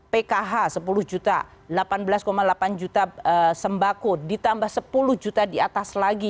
pkh sepuluh juta delapan belas delapan juta sembako ditambah sepuluh juta di atas lagi